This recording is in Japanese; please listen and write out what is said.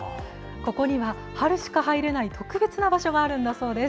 ここには春しか入れない特別な場所があるんだそうです。